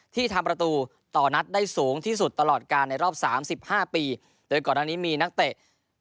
ที่ทำประตูต่อนัดได้สูงที่สุดตลอดการในรอบ๓๕ปีโดยก่อนอันนี้มีนักเตะ